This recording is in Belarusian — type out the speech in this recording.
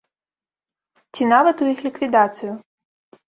Ці нават у іх ліквідацыю.